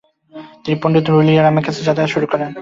তিনি পণ্ডিত রুলিয়া রামের কাছে যাতায়াত শুরু করেন ।